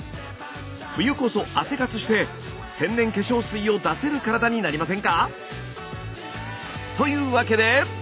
冬こそ汗活して天然化粧水を出せる体になりませんか？というわけで！